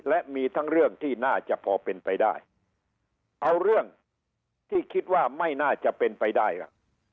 และมีทั้งเรื่องที่น่าจะพอเป็นไปได้เอาเรื่องที่คิดว่าไม่น่าจะเป็นไปได้ล่ะ